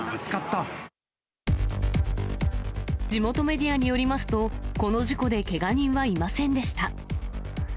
地元メディアによりますと、この事故でけが人はいませんでした。